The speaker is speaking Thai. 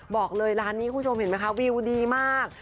บอกเลยร้านนี้คุณผู้ชมเห็นไหมคะวิวดีมาก